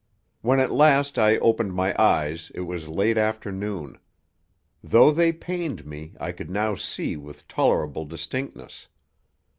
When at last I opened my eyes it was late afternoon. Though they pained me, I could now see with tolerable distinctness.